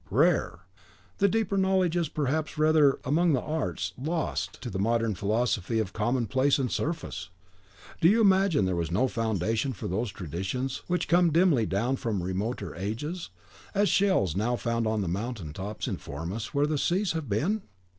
"Rare! The deeper knowledge is perhaps rather, among the arts, LOST to the modern philosophy of commonplace and surface! Do you imagine there was no foundation for those traditions which come dimly down from remoter ages, as shells now found on the mountain tops inform us where the seas have been?